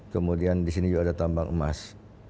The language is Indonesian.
kemudian di sini juga ada tambang emas